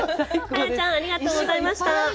カヤちゃん、ありがとうございました。